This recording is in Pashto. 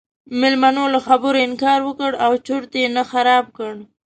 میلمنو له خبرو انکار وکړ او چرت یې نه خراب کړ.